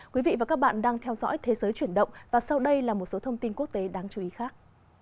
quý vị và các bạn đang theo dõi thế giới chuyển động và sau đây là một số thông tin quốc tế đáng chú ý khác